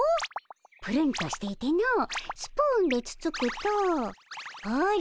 ぷるんとしていてのスプーンでつつくとほれ